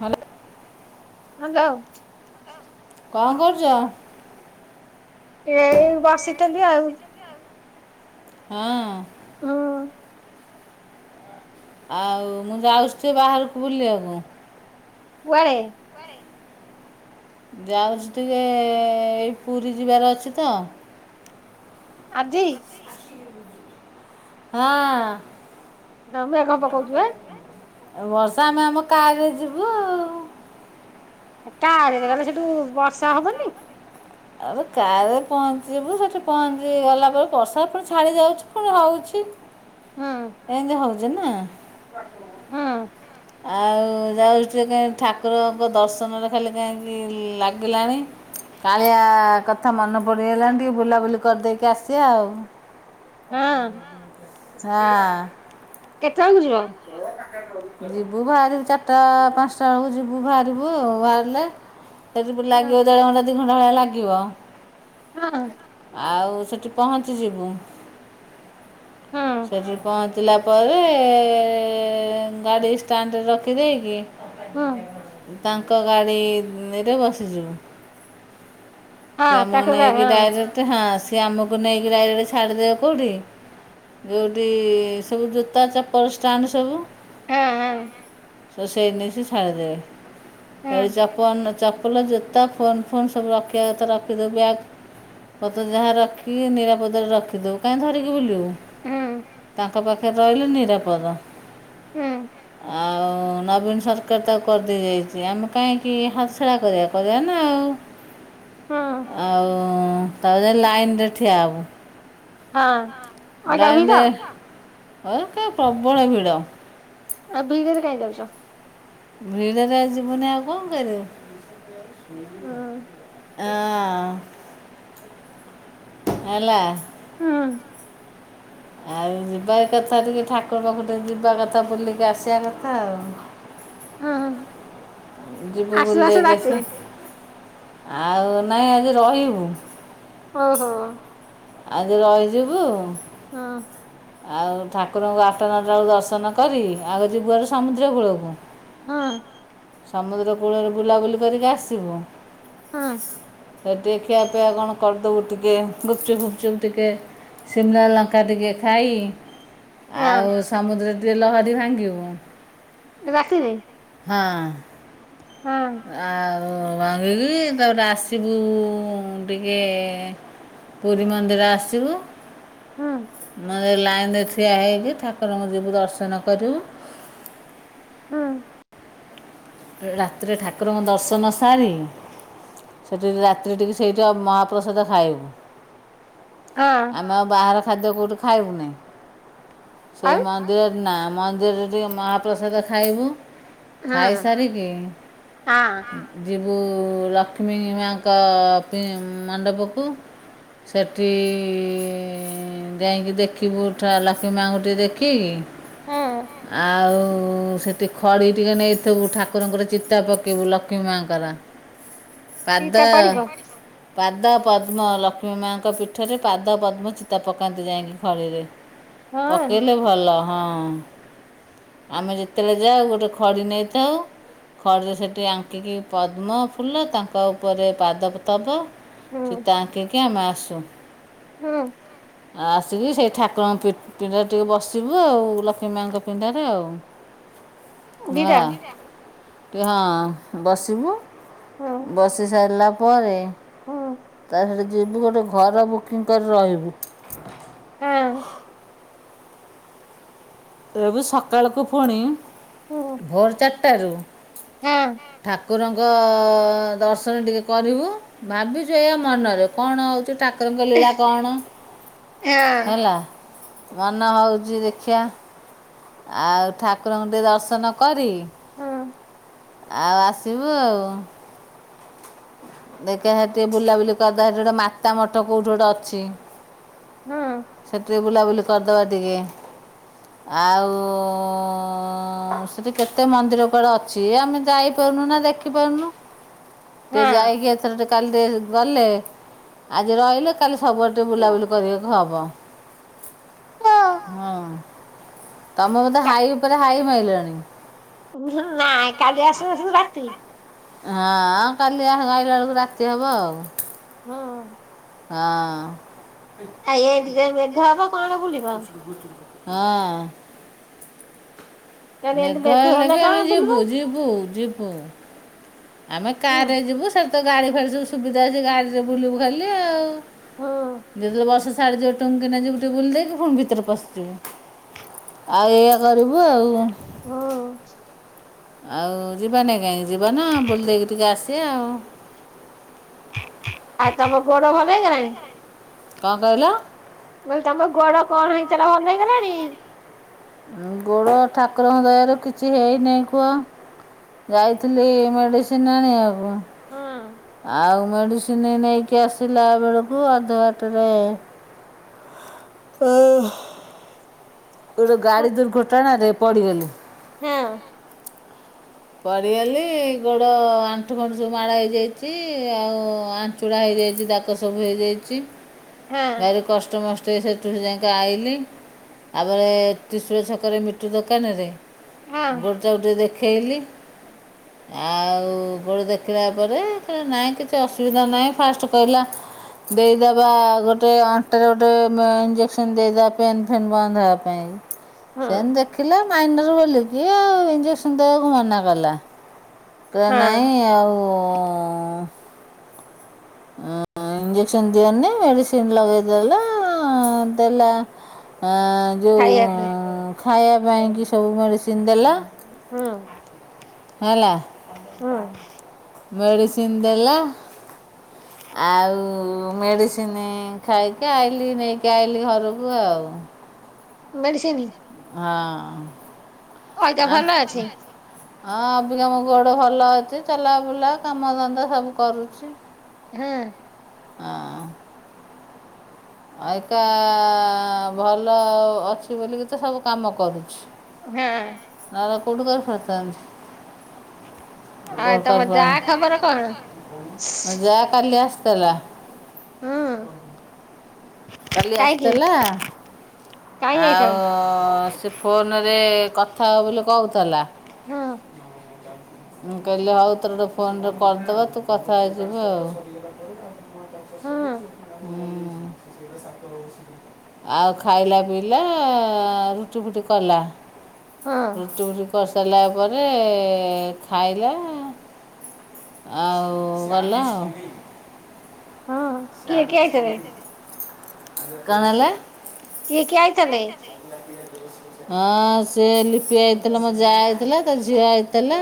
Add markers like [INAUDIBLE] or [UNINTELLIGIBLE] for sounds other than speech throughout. ହ୍ୟାଲ୍। Hello. କ'ଣ କରୁଛ ଏଇ ବସିଥିଲି ଆଉ। ହଁ। ହୁଁ। ଆଉ ମୁଁ ଯାଉଛି ଟିକେ ବାହାରକୁ ବୁଲିଆକୁ। କୁଆଡେ। ଯାଉଛି ଟିକେ ଏଇ ପୁରୀ ଯିବାର ଅଛି ତ। ଆଜି। ମେଘ ପକଉଛି ବା ହଁ। ବର୍ଷା ଆମେ ଆମ କାର୍ ରେ ଯିବୁ ଆଉ। କାରରେ ଗଲେ ସେଠୁ ବର୍ଷା ହବନି। ଆରେ କାରେ ପହଞ୍ଚିବୁ ସେଠି ପହଞ୍ଚିି ଗଲା ପରେ ବର୍ଷା ପୁଣି ଛାଡି ଯାଉଛି ପୁଣି ହଉଛି। ହୁଁ ଏମତି ହଉଚି ନା। [UNINTELLIGIBLE] ଆଉ ଯାଉ ଠାକୁରଙ୍କ ଦର୍ଶନରେ ଖାଲି କାହିଁକି ଲାଗିଲାଣି। କାଳିଆ କଥା ମନେ ପଡିଗଲାଣି ଟିକେ ବୁଲାବୁଲି କରିଦେଇକି ଆସିବା ଆଉ। ହଁ ହଁ କେତେବେଳକୁ ଯିବ। ମୁଁ ବାହାରିବୁ ଚାରିଟା ପାଞ୍ଚଟା ବେଳକୁ ଯିବୁ ବାହାରିବୁ ବାହାରିଲେ ସେଠୁ ପୁଣି ହଁ ଲାଗିବ ଦେଢ ଘଣ୍ଟା ଦି ଘଣ୍ଟା ଭଳିଆ ଲାଗିବ। ହଁ। ଆଉ ସେଠି ପହଞ୍ଚିଯିବୁ। ହଁ [UNINTELLIGIBLE] ଚିଲା ପରେ ଗାଡ଼ି ଷ୍ଟାଣ୍ଡରେ ରଖିଦେଇକି ହଁ। ତାଙ୍କ ଗାଡ଼ିରେ ବସିଯିବୁ। ହଁ ସିଏ ଆମ ତାକୁ କା ନେଇକି ହଁ ଡାଇରେଟ ହଁ ସିଏ ଆମକୁ ନେଇକି ଡାଇରେଟ ଛାଡିଦବେ କଉଠି ଯୋଉଠି ସବୁ ଜୋତା ଚପଲ ଷ୍ଟାଣ୍ଡ ସବୁ ହଁ ହଁ। ସ ସେଇଠି ନେଇକି ଛାଡ଼ିଦେବେ ହଁ [UNINTELLIGIBLE] ଚପଲ ଜୋତା ଫୋନ୍ ଫୋନ୍ ସବୁ ରଖି ରଖିଦେଉ ବ୍ୟାଗ୍ ପତ୍ର ଯାହା ରଖିକି ନିରାପଦରେ ରଖିଦେଉ କାହିଁ ଧରିକି ବୁଲିବୁ। ହୁଁ ତାଙ୍କ ପାଖରେ ରହିଲେ ନିରାପଦ ହୁଁ ଆଉ ନବୀନ ସରକାର ତାକୁ କରିଦେଇ ଯାଇଚି ଆମେ କାହିଁକି ହାତଛଡ଼ା କରିବା କରିବା ନା ଆଉ। ହଁ। ଆଉ ତାପରେ ଲାଇନ ରେ ଠିଆ ହେବୁ। ହଁ। ଆଉ ଯା ଲାଇନ୍ ଭିଡ଼ ରେ ହ ପ୍ରବଳ ଭିଡ଼। ଆଉ [UNINTELLIGIBLE] ଭିଡରେ ଯିବୁନି ଆଉ କଣ କରିବୁ? ହୁଁ ଆ ହେଲା। ହୁଁ। ଆଉ ଯିବା କଥା ଟିକେ ଠାକୁର ପାଖକୁ ଟିକେ ଯିବା କଥା ବୁଲିକି ଆସିବା କଥା ଆଉ। ହଁ ହଁ। ଯିବୁ ବୁଲି ଦେଇକି ଆସ ଆଉ ନାଇଁ ଆଜି ରହିବୁ। ଓହୋ। ଆଜି ରହିଯିବୁ। ହଁ। ଆଉ ଠାକୁରଙ୍କୁ ଆଠ ନଅଟା ବେକୁ ଦର୍ଶନ କରି ଆଗ ଯିବୁହାରି ସମୁଦ୍ର କୂଳକୁ। ହଁ। ସମୁଦ୍ର କୂଳରେ ବୁଲାବୁଲି କରିକି ଆସିବୁ। ହଁ। ସେଠିକେ ଖିଆପିଆ କଣ କରିଦବୁ ଟିକେ ଗୁପଚୁ ଗୁପଚୁ ଟିକେ। ସିମଲା ଲଙ୍କାଟିକେ। ଖାଇ ହଁ ଆଉ ସମୁଦ୍ରରେ ଟିକି ଲହରୀ ଭାଙ୍ଗିବୁ। ରାତିରେ? ହଁ। ହଁ ଆଉ ଭାଙ୍ଗିକି ତାପରେ ଆସିବୁ ଟିକେ ପୁରୀ ମନ୍ଦିର ଆସିବୁ। ହୁଁ ମେ ଲାଇନରେ ଠିଆ ହେଇକି ଠାକୁରଙ୍କୁ ଯିବୁ ଦର୍ଶନ କରିବୁ। ହୁଁ। ରାତିରେ ଠାକୁରଙ୍କ ଦର୍ଶନ ସାରି ସେଠି ରାତିି ଟିକେ ସେଇଠି ଆଉ ମହାପ୍ରସାଦ ଖାଇବୁ। ହଁ। ଆମେ ଆଉ ବାହାର ଖାଦ୍ୟ କେଉଁଠି ଖାଇବୁନି ସେ ଆଉ ମନ୍ଦିରରେ ନା ମନ୍ଦିରରେ ଟିକେ ମହାପ୍ରସାଦ ଖାଇବୁ ହଁ ଖାଇସାରିକି। ହଁ ଯିବୁ ଲକ୍ଷ୍ମୀ ମାଙ୍କ ପି ମଣ୍ଡପକୁ। ସେଠି କି ଯାଇକି ଦେଖିବୁଠା ଲକ୍ଷ୍ମୀ ମାଆଙ୍କୁ ଟିକେ ଦେଖିକି। ହଁ ଆଉ ସେଟି ଖଡି ଟିକେ ନେଇଥିବୁ ଠାକୁରଙ୍କର ଚିତା ପକେଇବୁ ଲକ୍ଷ୍ମୀ ମାଆଙ୍କର। ପାଦ ଦିଟା ପଡିବ ପାଦ ପଦ୍ମ ଲକ୍ଷ୍ମୀ ମାଆଙ୍କ ପୀଠରେ। ପାଦ ପଦ୍ମଚିତା ପକାନ୍ତି ଯାଇକି ଖଳିରେ ହଁ ପକେଇଲେ ଭଲ ହଁ ଆମେ ଯେତେବେଳେ ଯାଉ ଗୋଟେ ଖଡ଼ି ନେଇଥାଉ। ଖଡ଼ରେ ସେଠି ଆଙ୍କିକି ପଦ୍ମ ଫୁଲ ତାଙ୍କ ଉପରେ ପାଦ ତବ। ହୁଁ ଚିତା ଆଙ୍କିକି ଆମେ ଆସୁ। ହୁଁ। ଆ ଆସିକି ସେଇ ଠାକୁରଙ୍କ ପି-ପିଣ୍ଡାରେ ଟିକେ ବସିବୁ ଆଉ ଲକ୍ଷ୍ମୀ ମାଙ୍କ ପିଣ୍ଡାରେ ଆଉ। ଦିଟା ହେଲା ଟିକେ ହଁ ବସିବୁ ହୁଁ ବସି ସାରଲା ପ ପରେ ହୁଁ ତା ସେଠି ଯିବୁ ଗୋଟେ ଘର ବୁକିଂ କରି ରହିବୁ। ହଁ। ଏବି ସକାଳକୁ ଫୁଣି ହୁଁ ଭୋର ଚାରିଟାରୁ। ହଁ ଠାକୁରଙ୍କ ଦର୍ଶନ ଟିକେ କରିବୁ। ଭାବିଚୁ ଏଇଆ ମନରେ କଣ ହୋଉଚି ଟା ଠାକୁରଙ୍କ ଲୀଳା କଣ ହଁ ହେଲା ମନ ହୋଉଚି ଦେଖିଆ ଆଉ ଠାକୁରଙ୍କୁ ଟିକେ ଦର୍ଶନ କରି ହୁଁ ଆଉ ଆସିବୁ ଆଉ। ଦେଖିଆ ହେଟ ଟିକେ ବୁଲାବୁଲି କରିଦବା ହେଠି ଗୋଟେ ମାତା ମଠ କୋଉଠି ଗୋଟେ ଅଛି। ହୁଁ ସେଥିରେ ବୁଲାବୁଲି କରିଦବା ଟିକେ। ଆଉ ସେଠି କେତେ ମନ୍ଦିର କୁଆଡ଼େ ଅଛି ଆମେ ଯାଇପାରୁନୁ ନା ଦେଖ ଦେଖିପାରୁନୁ ଟିକେ ଯାଇକି ଏଥର ଟେ କାଲି ଟିକେ ଗଲେ ଆଜି ରହିଲେ କାଲି ସବୁଆଡ଼ ଟିକେ ବୁଲାବୁଲି କରିବାକୁ ହବ। ହଁ ତମକୁ ତବତେ ହାଇ ଉପରେ ହାଇ ମାଇଲାଣି। ଉଁ ସୁ ନାଇଁ କାଲି ଆସୁ ଆସୁରୁ ରାତି ହଁ ଆ କାଲି ଆ ହେଇ ଆଇଲା ବେଳକୁ ରାତି ହବ ଆଉ। ହଁ। ହଁ। ଆ ଏମତି ଯେ ମେଘ ହବ କଣ ବୁଲି ହଁ। କାଲି ଏମିତି ମେଘ ହେଲେ ବି ଆମେ କଣ ବୁଲିବ ଯିବୁ ଯିବୁ ଯିବୁ। ଆମେ ହୁଁ କାରରେ ଯିବୁ ସେଠି ତ ଗାଡ଼ି ଫାଡ଼ି ସବୁ ସୁବିଧା ଅଛି ଗାଡ଼ିରେ ବୁଲିବୁ ଖାଲି ଆଉ। ହୁଁ ଯେତେବେଳେ ବର୍ଷା ଛାଡ଼ିଯିବ ଟୁଙ୍କ୍ କିନା ଯିବୁ ଟିକେ ବୁଲି ଦେଇକି ଫୁଣି ଭିତରେ ପଶିଯିବୁ ଆଉ ଏଇଆ କରିବୁ ଆଉ। ହଁ। ଆଉ ଯିବାନାଇଁ କାହିଁକି ଯିବା ନା ବୁଲିଦେଇକି ଟିକେ ଆସିବା ଆଉ। ଆଉ ତମ ଗୋଡ ଭଲ ହେଇଗଲାଣି? କଣ କହିଲ? ମୁଁ କହିଲ ତମ ଗୋଡ କଣ ହେଇଥିଲା ଭଲ ହେଇଗଲାଣି? ଉଁ ଗୋଡ ଠାକୁରଙ୍କ ଦୟାରୁ କିଛି ହେଇନେଇଁ କୁହ। ଯାଇଥିଲି ମେଡ଼ିସିନ ଆଣିବାକୁ। ହଁ। ଆଉ ମେଡିସିନ୍ ନେଇନୁଆକି ଆସିଲା ବେଳକୁ ଅଧା ବାଟରେ ଓ। ଗୋଟେ ଗାଡ଼ି ଦୁର୍ଘଟଣାରେ ପଡ଼ିଗଲି। ହେଁଅ। ପଡ଼ିଗଲି ଗୋଡ଼ ଆଣ୍ଠୁ ଫାଣ୍ଠୁ ସବୁ ମାଡ଼ ହେଇଯାଇଚି ଆଉ ଚୁଡ଼ା ହେଇଯାଇଚି ଦାଗ ସବୁ ହେଇଯାଇଚି ହଁ ଭାରି କଷ୍ଟେମଷ୍ଟେ ସେ ସେଥିରୁ ଯାଇକି ଆଇଲିି ତାପରେ ତ୍ରିଶୂଳ ଛକରେ ମିଟୁ ଦୋକାନରେ ହଁ ଗୋଡଟାକୁ ଟିକେ ଦେଖେଇଲି। ଏ ଆଉ ଗୋଡ ଦେଖିଲା ପରେ କହିଲା ନାଇଁ କିଛି ଅସୁବିଧା ନାହିଁ ଫାଷ୍ଟ କହିଲା ଦେଇଦବା ଗୋଟେ ଅଣ୍ଟାରେ ଗୋଟେ ମେ ଇଞ୍ଜେକ୍ସନ୍ ଦେଇଦବା ପେନ୍ ଫେନ୍ ବନ୍ଦ ହବାପାଇଁ। ହଁ ସେନ୍ ଦେଖିଲେ ମାଇନର ବୋଲିକି ଏ ଇଞ୍ଜେକ୍ସନ ଦବାକୁ ମନାକଲା। କହିଲା ହଁ ନାଇଁ ଆଉ ଅଁ ଇଞ୍ଜେକ୍ସନ ଦିଅନି ମେଡିସିନ ଲଗେଇଦେଲା ଦେଲା। ଏଁ ଯୋଉ ଖାଇବାକୁ ଖାଇବା ପାଇଁକି ସବୁ ମେଡିସିନ ଦେଲା। ହଁ। ହେଲା ହଁ ମେଡିସିନ ଦେଲା ଆଉ ମେଡିସିନି ଖାଇକି ଆଇଲି ନେଇକି ଆଇଲି ଘରକୁ ଆଉ। ମେଡିସିନି ଅଇକା ଭଲ ଅଛି ହଁ ହଁ ଅବିକା ମୋ ଗୋଡ଼ ଭଲ ଅଛି। ଚଲାବୁଲା କାମଧନ୍ଦା ସବୁ କରୁଛି। ହଁ ହଁ ଅଇକା ଭଲ ଅଛି ବୋଲିକି ତ ସବୁ କାମ କରୁଛି। ହଁ ନ [UNINTELLIGIBLE] କୋଉଠୁ କରି ପାରିଥାନ୍ତି। ଆଉ ତମ ଯା ଖବର କଣ? [UNINTELLIGIBLE] ଯା କାଲି ଆସିଥିଲା। ହୁଁ କାଲି ଆସିଥିଲା କାହିଁ ଆଉ ଯାଇଥିଲ? ସେ ଫୋନରେ କଥା ହବ ବୋଲି କହୁଥିଲା। ହୁଁ ମୁଁ କହିଲି ହଉ ତୋରେ ଗୋଟେ ଫୋନ୍ ଟେ କରିଦବା ତୁ କଥା ହେଇଯିବୁ ଆଉ। ହଁ ହୁଁ। ଆଉ ଖାଇଲା ଇଲା ରୁଟି ଫୁଟି କଲା ହଁ ରୁଟି ଫୁଟି ପରିସାରିଲା ପରେ ଖାଇଲା ଆଉ ଗଲା ଆ ହଁ କିଏ କିଏ ଆଇଥିଲେ କଣ ହେଲା? କିଏ କିଏ ଆଇଥେଲେ? କି ହଁ ସେ ଲିପି ଆଇଥିଲା ମୋ ଯା ଆଇଥିଲା ତା ଝିଅ ଆଇଥିଲା।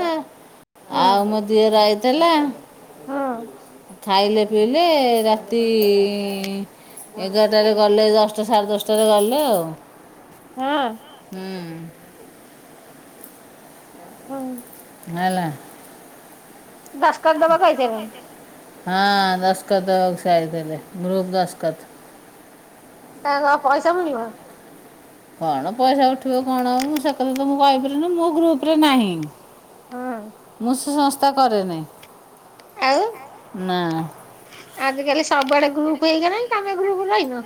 ଆଉ ହଁ ମୋ ଦିଅର ଆଇଥିଲା। ହଁ ଖାଇଲେ ପିଇଲେ ରାତି ଏଗାରଟାରେ ଗଲେ ଦଶଟା ସାଢ଼େ ଦଶଟାରେ ଗଲେ ଆଉ। ହଁ ହୁଁ ହଁ ହେଲା ଦଶ କରିଦବ କହିଥିଲେ ହଁ ଦସକତ୍ ଦବାକୁ ସେ ଆଇଥିଲେ ଗ୍ରୁପ୍ ଦସକତ୍। [UNINTELLIGIBLE] ପଇସା ମିଳିବ? କଣ ପଇସା ଉଠିବ କଣ ହବ ମୁଁ ସେ କଥା ତ ମୁଁ କହିପାରିନି ମୁଁ ଗ୍ରୁପରେ ନାହିଁ। ହଁ ମୁ ସେ ସଂସ୍ଥା କରେନି। ଆଉ ନାଁ ଆଜିକାଲି ସବୁଆଡେ ଗ୍ରୁପ ହେଇଗଲାଣି ତମେ ଗ୍ରୁପରେ ରହିନ?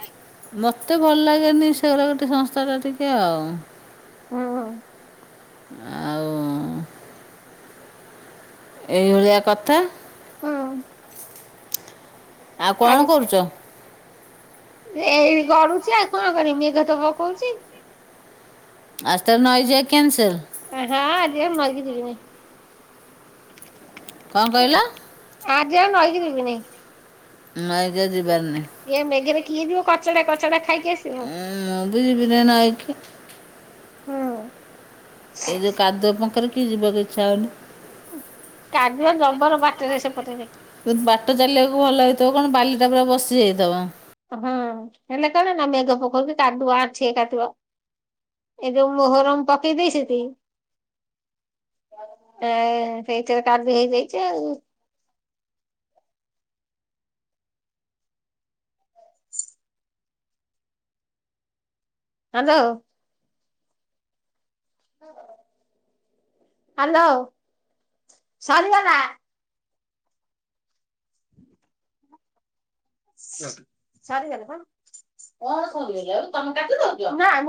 ମତେ ଭଲ ଲାଗେନି ସେ [UNINTELLIGIBLE] ଗୋଟେ ସଂସ୍ଥା ଟା ଟିକେ ଆଉ। ହଁ ଆଉ ଏଇଭଳିଆ କଥା। ଉଁ ଆଉ କଣ ଆଜି କରୁଚ? ଏଇ ଗଡୁଚି ଆଉ କଣ କରିମି। ମେଘ ତ ପକଉଛି। [UNINTELLIGIBLE] ନଈ ଯିବା କ୍ୟାନ୍ସେଲ ହଁ ଆଜି ଆଉ ନଈ କି ଯିବିନି। କଣ କହିଲ? ଆଜି ଆଉ ନଈକି ଯିବିନି। ନଁ ଗାଜିିବାରନି ଇଏ ମେଘରେ କିଏ ଯିବ କଚଡ଼ା କଚଡ଼ା ଖାଇକି ଆସ୍ ଏ ମୁଁ ବି ଯିବିନି ନେଇକି ହୁଁ ଏଇ ଯେଉଁ କାଦୁ ପଙ୍କରେ କିଏ ଯିବାକୁ ଇଚ୍ଛା ହଉନି କାଜୁଆ ଜବର ବାଟରେ ସେପଟେରେ ବାଟ ଚାଲିବାକୁ ଭଲ ହେଇଥିବ କଣ ବାଲି ଟା ପୁରା ବସି ଯାଇଥିବ। ହଁ ହେଲେ କଣ ନା ମେଘ ପକୋଉଚି କାଦୁଅ ଆନଠି ଏ କାଦୁଅ ଏଇ ଯୋଉ ମୁୋହରମ ପକେଇ ଦେଇ ସେତି ଏ ସେଇଥିରେ କାର ବି ହେଇଯାଇଛି ଆଉ ହ୍ୟାଲୋ। ହ୍ୟାଲୋ। ସରିଗଲା। ସରିଗଲେ ପା କଣ କ ଆଉ ତମେ କାଟିଦଉଚ। ନାଁ ମ୍